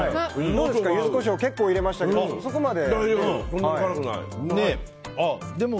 ユズコショウ結構入れましたけど、そこまで？